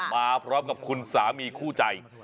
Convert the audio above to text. มาพร้อมกับคุณสามีคู่ใจ